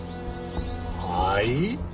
はい？